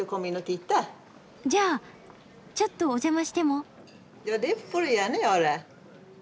じゃあちょっとお邪魔しても？